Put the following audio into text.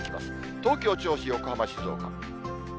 東京、銚子、横浜、静岡。